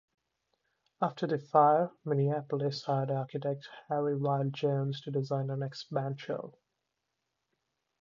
After the fire, Minneapolis hired architect Harry Wild Jones to design the next bandshell.